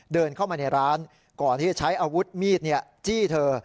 เดินเข้ามาในร้านก่อนที่จะใช้อาวุธมีดจี้เธอ